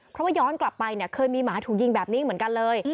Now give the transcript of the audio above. เพราะไว้ย้อนกลับไปเคยมีหมาถูงจริงแบบนี้เหมือนกันเลย